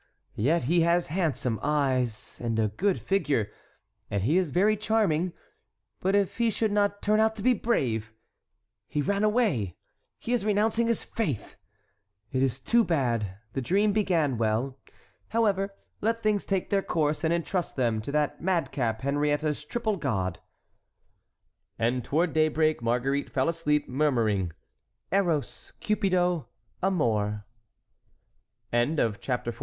Yet he has handsome eyes—and a good figure, and he is very charming; but if he should not turn out to be brave!—He ran away!—He is renouncing his faith! It is too bad—the dream began well. However, let things take their course and entrust them to that madcap Henriette's triple god." And toward daybreak Marguerite fell asleep, murmuring: "Eros, Cupido, Amor." CHAPTER XV.